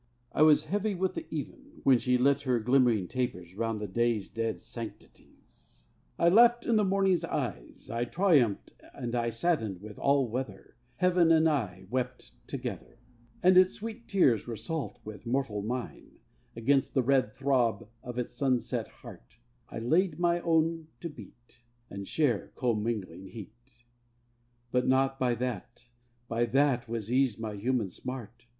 I was heavy with the even, When she lit her glimmering tapers Round the day's dead sanctities. I laughed in the morning's eyes. I triumphed and I saddened with all weather, Heaven and I wept together, And its sweet tears were salt with mortal mine; Against the red throb of its sunset heart I laid my own to beat, And share commingling heat; But not by that, by that, was eased my human smart.